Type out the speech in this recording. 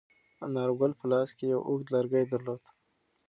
انارګل په لاس کې یو اوږد لرګی درلود.